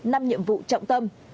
năm nhiệm vụ trọng tâm